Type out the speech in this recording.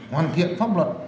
hoàn thiện pháp luật